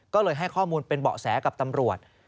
ก็เลยให้ข้อมูลเป็นเบาะแสกับตำรวจ